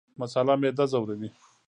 مساله معده ځوروي